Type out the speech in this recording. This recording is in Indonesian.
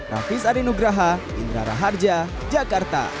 raffis arinugraha indra raharja jakarta